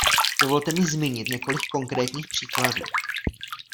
Dovolte mi zmínit několik konkrétních příkladů.